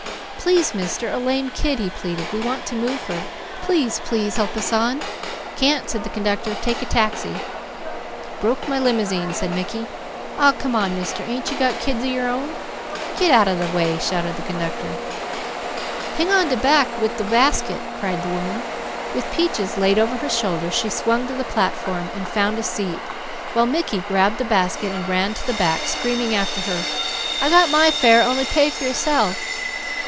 "Please mister, a lame kid," he pleaded. "We want to move her. Please, please help us on." "Can't!" said the conductor. "Take a taxi." "Broke my limousine," said Mickey. "Aw come on mister; ain't you got kids of your own?" "Get out of the way!" shouted the conductor. "Hang on de back wid the basket," cried the woman. With Peaches laid over her shoulder, she swung to the platform, and found a seat, while Mickey grabbed the basket and ran to the back screaming after her: "I got my fare; only pay for yourself."